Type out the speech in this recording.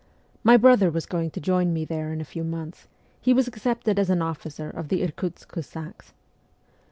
My brother was going to join me there in a few months ; he was accepted as an officer of the Irkutsk Cossacks.